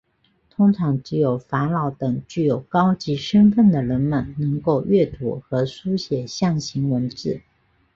通常只有法老等具有高级身份的人们能够阅读和书写象形文字。